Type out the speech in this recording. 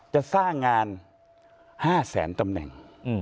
จะสร้างงาน๕แสนตำแหน่ง